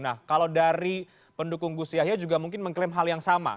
nah kalau dari pendukung gus yahya juga mungkin mengklaim hal yang sama